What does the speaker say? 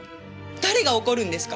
誰が怒るんですか？